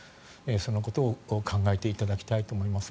そのことを考えていただきたいと思います。